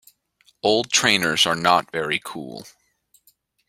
Old trainers are not very cool